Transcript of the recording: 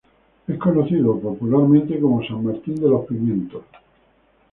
Es conocido popularmente como San Martín de los Pimientos.